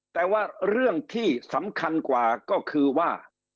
แต่ว่าเรื่องที่สำคัญกว่าก็คือว่า